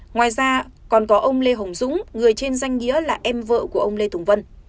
ngoài ra còn có ông lê hồng dũng người trên danh nghĩa là em vợ của ông lê tùng vân